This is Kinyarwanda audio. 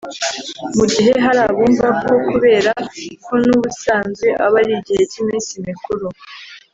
Mu gihe hari abumva ko kubera ko n’ubusanzwe aba ari igihe cy’iminsi mikuru